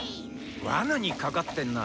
わなにかかってんな。